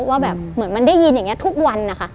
ว่าแบบเหมือนมันได้ยินอย่างนี้ทุกวันนะคะ